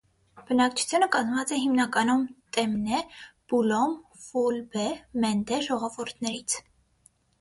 Բնակչությունը կազմված է հիմնականում տեմնե, բուլլոմ, ֆուլբե, մենդե ժողովուրդներից։